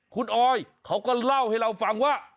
คุณออยเขาก็เล่าให้เราฟังว่า